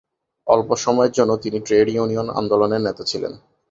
অল্প সময়ের জন্য তিনি ট্রেড ইউনিয়ন আন্দোলনের নেতা ছিলেন।